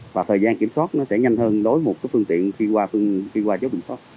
và thời gian kiểm soát nó sẽ nhanh hơn đối với một phương tiện khi qua chốt kiểm soát